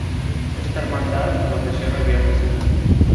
Esta hermandad procesiona el Viernes Santo.